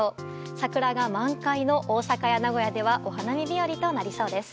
桜が満開の大阪や名古屋ではお花見日和となりそうです。